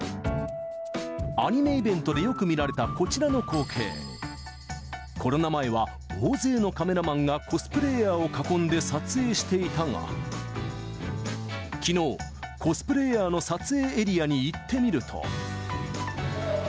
アニメイベントでよく見られたこちらの光景、コロナ前は大勢のカメラマンがコスプレイヤーを囲んで撮影していたが、きのう、コスプレイヤーの撮影エリアに行ってみると。